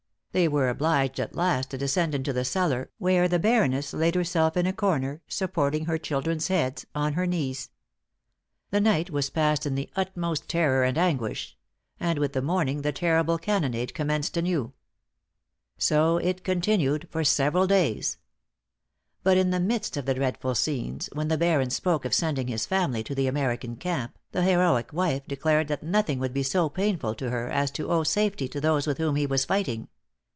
They were obliged at last to descend into the cellar, where the Baroness laid herself in a corner, supporting her children's heads on her knees. The night was passed in the utmost terror and anguish; and with the morning the terrible cannonade commenced anew. So it continued for several days. But in the midst of the dreadful scenes, when the Baron spoke of sending his family to the American camp, the heroic wife declared that nothing would be so painful to her as to owe safety to those with whom he was fighting.